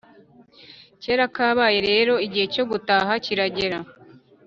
kera kabaye rero igihe cyo gutaha kiragera.